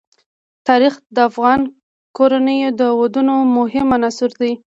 تاریخ د افغان کورنیو د دودونو مهم عنصر دی.